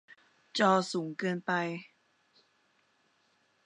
จอสูงเกินไป